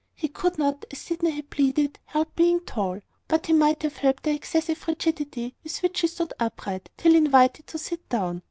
He could not, as Sydney had pleaded, help being tall; but he might have helped the excessive frigidity with which he stood upright till invited to sit down.